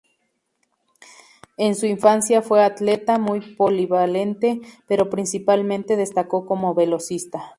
En su infancia fue atleta, muy polivalente, pero principalmente destacó como velocista.